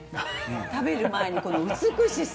食べる前にこの美しさ。